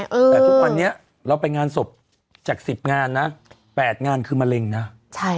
แต่ทุกวันนี้เราไปงานศพจาก๑๐งานนะ๘งานคือมะเร็งนะ